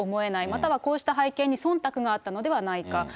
またはこうした背景にそんたくがあったのではないか。